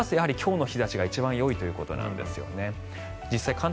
そうすると今日の日差しが一番よいということなんです。